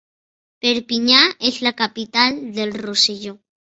Perpinya es la capital del Roselló.